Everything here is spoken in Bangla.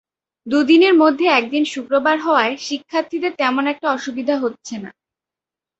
দুদিনের মধ্যে একদিন শুক্রবার হওয়ায় শিক্ষার্থীদের তেমন একটা অসুবিধা হচ্ছে না।